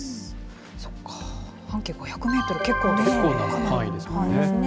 そっか、半径５００メートル、結構ですね。